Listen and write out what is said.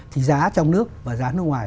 thì giá trong nước và giá nước ngoài